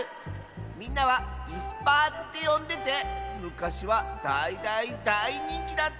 みんなは「いすパー」ってよんでてむかしはだいだいだいにんきだったんだ。